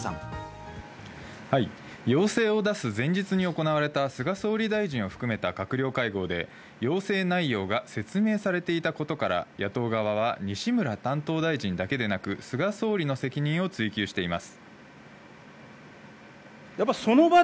要請を出す前日に行われた菅総理大臣を含めた閣僚会合で、要請内容が説明されていたことから、野党側は西村担当大臣だけではなく菅総理の責任を追及しています。